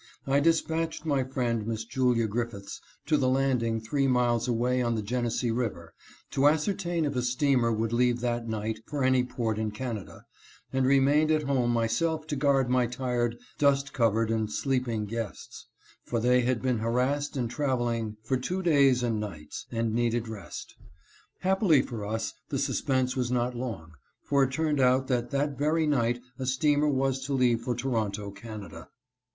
I dispatched my friend Miss Julia Griffiths to the land ing three miles away on the Genesee River to ascertain if a steamer would leave that night for any port in Can ada, and remained at home myself to guard my tired, dust covered, and sleeping guests, for they had been har assed and traveling for two days and nights, and needed rest. Happily for us the suspense was not long, for it turned out that that very night a steamer was to leave for Toronto, Canada.